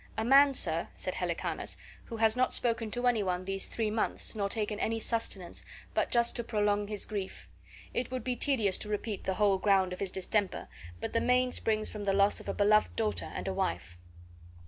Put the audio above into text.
"A man sir," said Helicanus, "who has not spoken to any one these three months, nor taken any sustenance, but just to prolong his grief; it would be tedious to repeat the whole ground of his distemper, but the main springs from the loss of a beloved daughter and a wife."